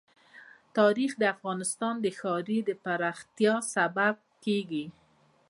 تاریخ د افغانستان د ښاري پراختیا سبب کېږي.